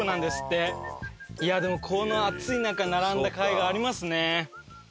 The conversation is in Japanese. いやでもこの暑い中並んだかいがありますね。